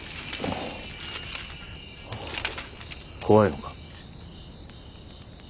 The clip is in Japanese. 怖いのか。